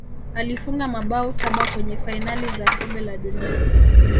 alifunga mabao saba kwenye fainali za kombe la dunia